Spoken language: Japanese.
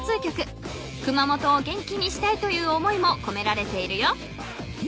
［熊本を元気にしたいという思いもこめられているよ］